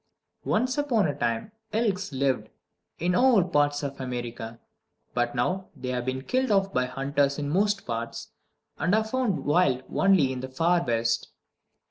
Once upon a time elks lived in all parts of America, but now they have been killed off by hunters in most parts, and are found wild only in the Far West.